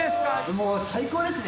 もう最高ですね。